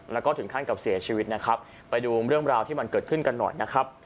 แล้วก็ถึงขั้นกับเสียชีวิตนะครับไปดูเรื่องราวที่มันเกิดขึ้นกันหน่อยนะครับ